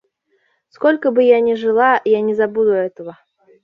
Сколько бы я ни жила, я не забуду этого.